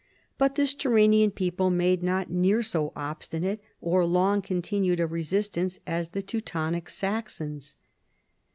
But this Turanian people made not near so obstinate or long continued a resistance as the Teutonic Saxons.